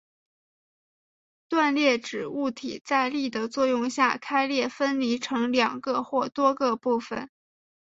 断裂指物体在力的作用下开裂分离成两个或多个部分。